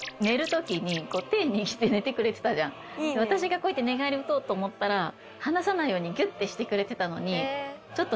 私がこうやって寝返り打とうと思ったら離さないようにギュッてしてくれてたのに。